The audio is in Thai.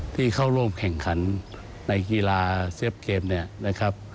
ที่เข้าร่วมแข่งขันในกีฬาเซฟเกมเนี่ยนะครับ